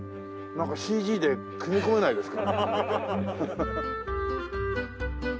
ＣＧで組み込めないですか？